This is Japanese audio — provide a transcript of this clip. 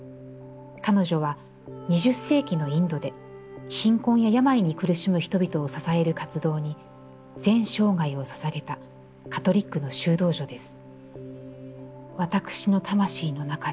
彼女は二〇世紀のインドで、貧困や病に苦しむ人々を支える活動に全生涯をささげたカトリックの修道女です」。